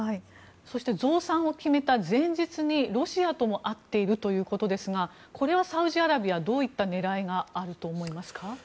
そして増産を決めた前日にロシアとも会っているということですがこれはサウジアラビアどういった狙いがあると思いますか？